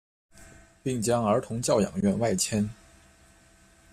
并将儿童教养院外迁。